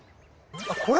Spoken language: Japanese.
あっこれ？